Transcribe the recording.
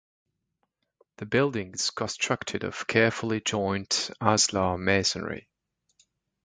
The building is constructed of carefully jointed ashlar masonry.